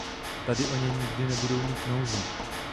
Tady o ně nikdy nebudu mít nouzi.